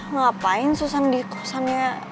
ngapain susah di kosannya